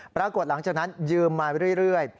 ปรากฏหลังจากนั้นยืมมาเรื่อย